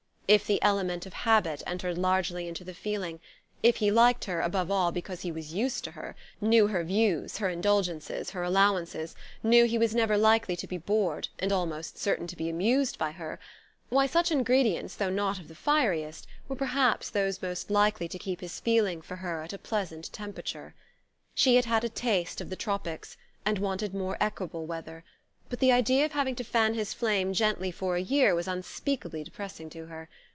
If the element of habit entered largely into the feeling if he liked her, above all, because he was used to her, knew her views, her indulgences, her allowances, knew he was never likely to be bored, and almost certain to be amused, by her; why, such ingredients though not of the fieriest, were perhaps those most likely to keep his feeling for her at a pleasant temperature. She had had a taste of the tropics, and wanted more equable weather; but the idea of having to fan his flame gently for a year was unspeakably depressing to her.